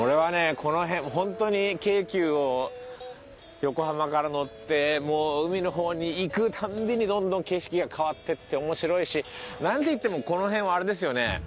この辺ホントに京急を横浜から乗ってもう海の方に行くたんびにどんどん景色が変わってって面白いしなんていってもこの辺はあれですよね？